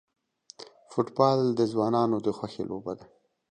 فوټبال د ځوانانو خوښی لوبه ده.